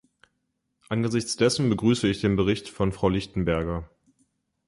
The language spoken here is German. Angesichts dessen begrüße ich den Bericht von Frau Lichtenberger.